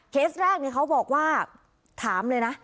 แรกเขาบอกว่าถามเลยนะ